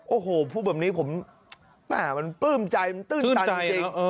โอ้โหพูดแบบนี้ผมมันปลื้มใจมันตื้นตันจริง